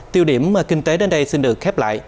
tiêu điểm kinh tế đến đây xin được khép lại